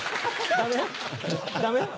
ダメ？